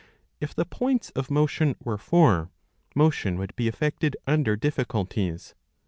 If the points of motion were four,^* motion would be effected under difficulties.